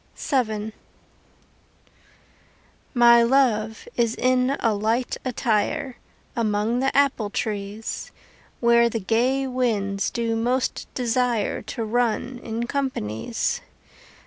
VII My love is in a light attire Among the apple trees, Where the gay winds do most desire To run in companies.